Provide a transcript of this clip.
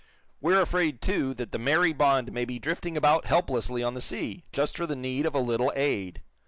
We're afraid, too, that the 'Mary Bond' may be drifting about helplessly on the sea, just for the need of a little aid.